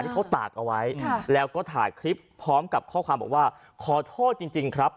ที่เขาตากเอาไว้แล้วก็ถ่ายคลิปพร้อมกับข้อความบอกว่าขอโทษจริงครับ